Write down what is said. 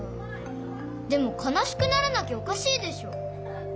でもかなしくならなきゃおかしいでしょ。